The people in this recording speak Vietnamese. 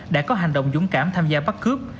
đã có hành động dũng cảm tham gia bắt cướp